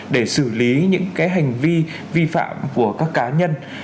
để xử lý những hành vi vi phạm của các cá nhân